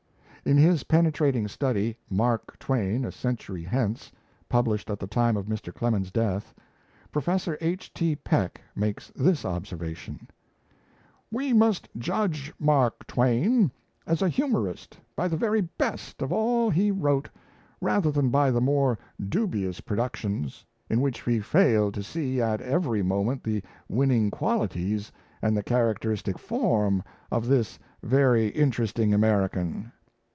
In his penetrating study, 'Mark Twain a Century Hence', published at the time of Mr. Clemens' death, Professor H. T. Peck makes this observation: "We must judge Mark Twain as a humorist by the very best of all he wrote rather than by the more dubious productions, in which we fail to see at every moment the winning qualities and the characteristic form of this very interesting American.